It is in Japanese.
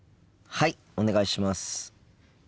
はいお願いします。